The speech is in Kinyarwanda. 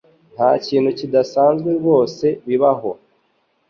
Nta kintu kidasanzwe rwose biba ho.